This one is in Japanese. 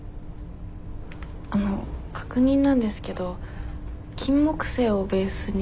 あの確認なんですけどキンモクセイをベースに。